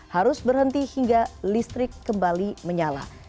harus berhenti hingga listrik kembali menyala